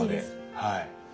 はい。